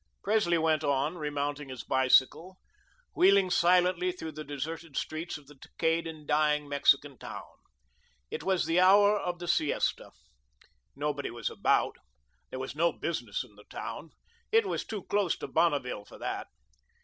Presley went on, remounting his bicycle, wheeling silently through the deserted streets of the decayed and dying Mexican town. It was the hour of the siesta. Nobody was about. There was no business in the town. It was too close to Bonneville for that.